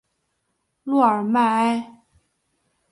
洛尔迈埃。